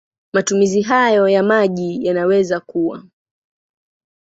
Matumizi hayo ya maji yanaweza kuwa